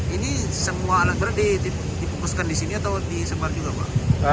ini semua alat berat dipukuskan di sini atau disebar juga pak